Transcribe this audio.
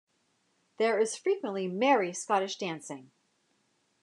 There is frequently merry Scottish dancing.